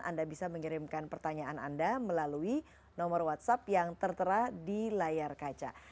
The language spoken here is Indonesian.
anda bisa mengirimkan pertanyaan anda melalui nomor whatsapp yang tertera di layar kaca